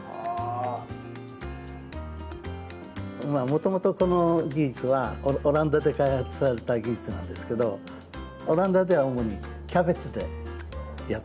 もともとこの技術はオランダで開発された技術なんですけどオランダでは主にキャベツでやってます。